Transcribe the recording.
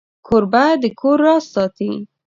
کوربه د کور راز ساتي.